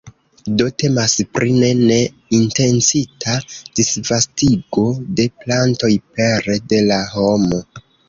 Do temas pri ne ne intencita disvastigo de plantoj pere de la homo.